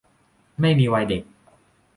ไม่มีวัยเด็ก